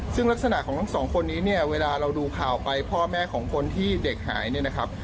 ซึ่งลักษณะของทั้งสองคนนี้เนี่ยเวลาเราดูข่าวไปพ่อแม่ของคนที่เด็กหายเนี่ยนะครับ